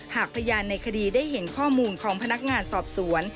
หากพยานในคดีได้เห็นข้อมูลของพนักงานสอบสวน